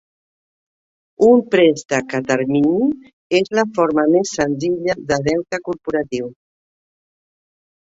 Un préstec a termini és la forma més senzilla de deute corporatiu.